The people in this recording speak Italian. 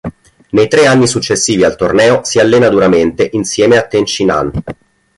Nei tre anni successivi al torneo si allena duramente insieme a Tenshinhan.